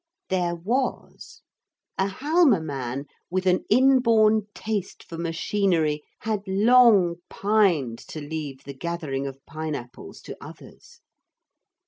There was. A Halma man, with an inborn taste for machinery, had long pined to leave the gathering of pine apples to others.